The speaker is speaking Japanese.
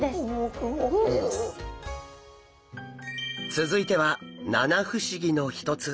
続いては七不思議の一つ